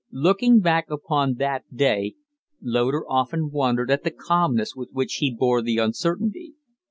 Looking back upon that day, Loder often wondered at the calmness with which he bore the uncertainty.